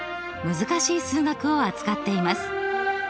難しい数学を扱っています。